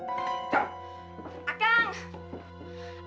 aku harus mendapatkan lintang putih